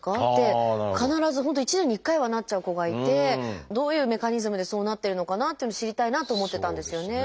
必ず本当一年に一回はなっちゃう子がいてどういうメカニズムでそうなってるのかなっていうのを知りたいなと思ってたんですよね。